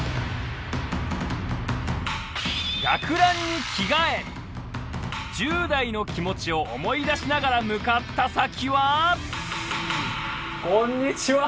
学ランに着がえ１０代の気持ちを思い出しながら向かった先はこんにちは！